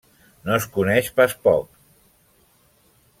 No es coneix pas poc!